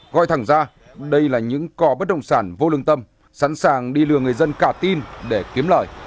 gọi thẳng ra đây là những cò bất động sản vô lương tâm sẵn sàng đi lừa người dân cả tin để kiếm lời